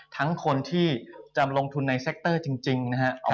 ทั้งคนที่จะลงทุนในเซคเตอร์จริงนะฮะ